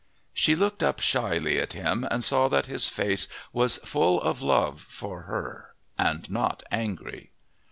She looked up shyly at him and saw that his face was full of love for her and not angry.